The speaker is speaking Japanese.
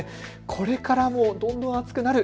これからどんどん暑くなる。